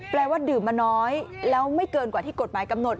ว่าดื่มมาน้อยแล้วไม่เกินกว่าที่กฎหมายกำหนด